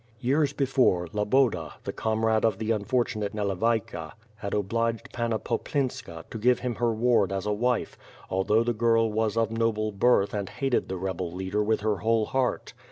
Years before, Loboda, the comrade of the unfortunate Nalevayka had obliged Panna Poplinska to give him her ward as a wife, although the girl was of noble birth and hated the rebel leader with her whole heart.